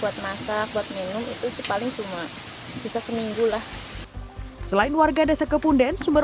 buat masak buat minum itu paling cuma bisa seminggu lah selain warga desa kepunden sumber